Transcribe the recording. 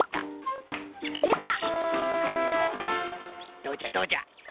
どうじゃどうじゃ？